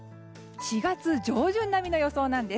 ４月上旬並みの予想なんです。